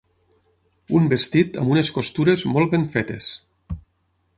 Un vestit amb unes costures molt ben fetes.